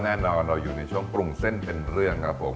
แน่นอนเราอยู่ในช่วงปรุงเส้นเป็นเรื่องครับผม